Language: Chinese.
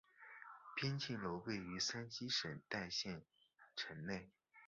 边靖楼位于山西省代县城内。